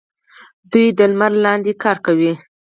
دوی د لمر لاندې کار کوي.